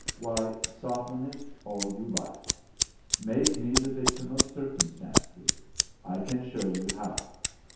why, soften it all you like. Make me the victim of circumstances. I can show you how.